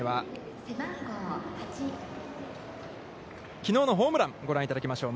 きのうのホームラン、ご覧いただきましょう。